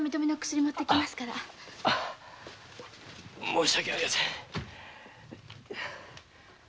申し訳ありません。